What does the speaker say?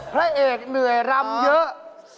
พระเอกเหนื่อยรำเยอะ